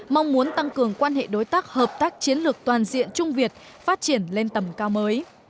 mong muốn tăng cường quan hệ đối tác hợp tác chiến lược toàn diện trung việt phát triển lên tầm cao mới